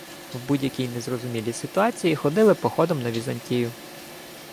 В будь-якій незрозумілій ситуації ходили походом на Візантію.